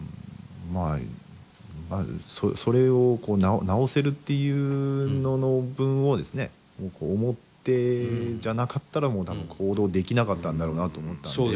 まあそれを治せるっていうのの分をですね思ってじゃなかったらもう多分行動できなかったんだろうなと思ったんで。